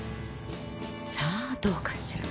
さあどうかしら。